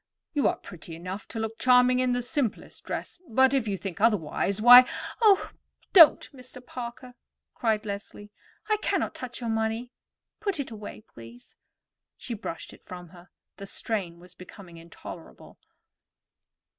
You are pretty enough to look charming in the simplest dress; but if you think otherwise, why——" "Oh, don't, Mr. Parker," cried Leslie. "I cannot touch your money; put it away, please." She pushed it from her. The strain was becoming intolerable.